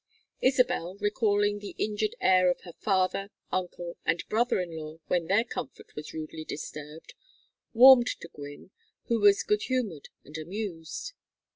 Isabel, recalling the injured air of her father, uncle, and brother in law when their comfort was rudely disturbed, warmed to Gwynne, who was good humored and amused.